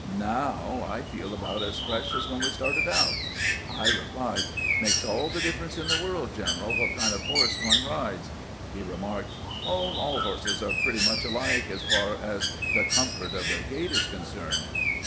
Now I feel about as fresh as when we started out." I replied: "It makes all the differ ence in the world, general, what kind of horse one rides." He remarked :" Oh, all horses are pretty much ahke, as far as the comfort of their gait is concerned."